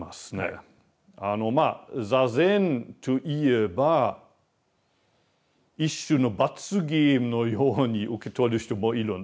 まあ坐禅といえば一種の罰ゲームのように受け取る人もいるんですね。